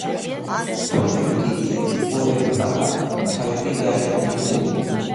თვალები დიდია, ყურები პატარა, თავი კი ძალიან ფართო.